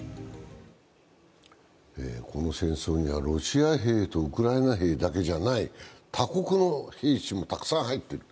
この戦争にはロシア兵とウクライナ兵だけじゃない、他国の兵士もたくさん入ってる。